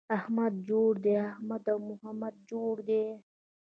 احمد جوړ دی → احمد او محمود جوړ دي